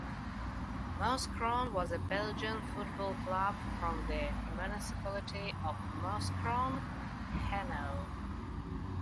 Mouscron was a Belgian football club from the municipality of Mouscron, Hainaut.